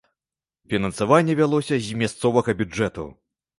Фінансаванне вялося з мясцовага бюджэту.